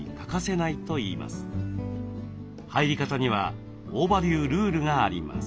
入り方には大庭流ルールがあります。